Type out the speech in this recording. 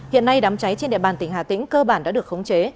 hiện nay đám cháy trên địa bàn tỉnh hà tĩnh cơ bản đã được khống chế